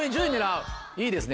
いいですね